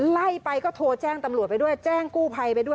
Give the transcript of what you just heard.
ไล่ไปก็โทรแจ้งตำรวจไปด้วยแจ้งกู้ภัยไปด้วย